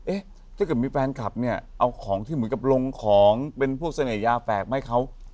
ถ้าเกิดมีแฟนคลับเนี่ยเอาของที่เหมือนกับลงของเป็นพวกเสน่หยาแฝกมาให้เขา